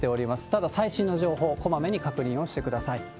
ただ最新の情報、こまめに確認をしてください。